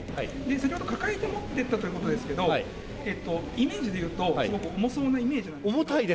先ほど、抱えて持っていったということですけれども、イメージでいうと、すごく重そうなイメージなんですけど。